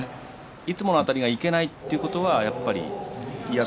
いつものあたりがいけないということは嫌だと。